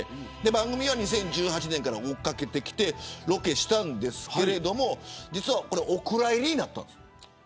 番組は２０１８年から追いかけてきてロケをしましたがお蔵入りになったんです。